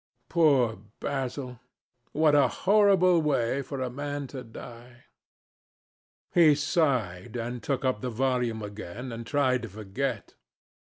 Poor Basil! What a horrible way for a man to die! He sighed, and took up the volume again, and tried to forget.